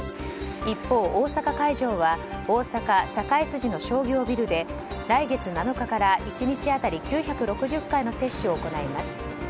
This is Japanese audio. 一方、大阪会場は大阪・堺筋の商業ビルで来月７日から１日当たり９６０回の接種を行います。